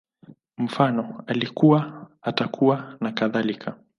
Mfano, Alikuwa, Atakuwa, nakadhalika